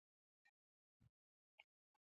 This brought him back, more sinister than ever.